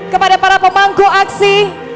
kepada para pemangku aksi